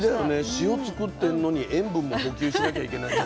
塩つくってんのに塩分も補給しなきゃいけないって。